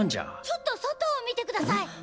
ちょっと外を見てください！